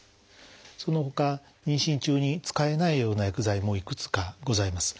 そのほか妊娠中に使えないような薬剤もいくつかございます。